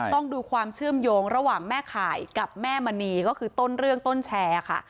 ต้องดูความเชื่อมโยงระหว่างแม่ข่ายกับแม่มณีก็คือต้นเรื่องต้นแชร์ค่ะ